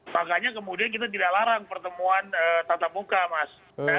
makanya kemudian kita tidak larang pertemuan tata buka mas